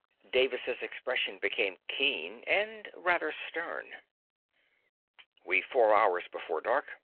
Davis' expression became keen and rather stern. "We've four hours before dark.